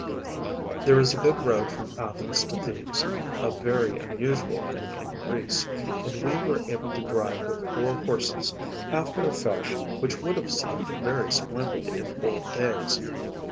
There is a good road from Athens to Thebes,‚ÄĒa very unusual thing in Greece,‚ÄĒand we were able to drive with four horses, after a fashion which would have seemed very splendid in old days.